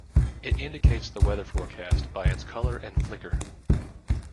It indicates the weather forecast by its color and flicker.